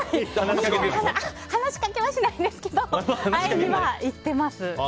話しかけはしないんですけど会いには行ってます。